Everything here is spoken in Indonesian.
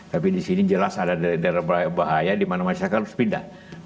tapi di sini jelas ada daerah daerah bahaya di mana masyarakat harus pindah